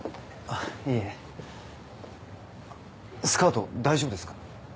あっスカート大丈夫ですか？